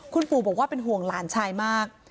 คุณปู่บอกว่าเป็นห่วงหลานชายมาก